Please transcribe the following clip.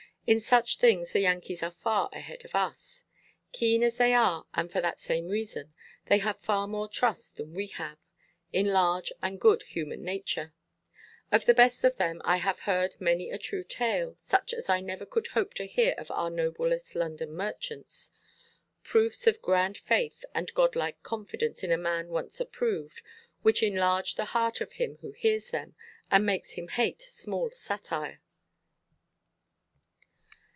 In such things the Yankees are far ahead of us. Keen as they are, and for that same reason, they have far more trust than we have, in large and good human nature. Of the best of them I have heard many a true tale, such as I never could hope to hear of our noblest London merchants. Proofs of grand faith, and Godlike confidence in a man once approved, which enlarge the heart of him who hears them, and makes him hate small satire.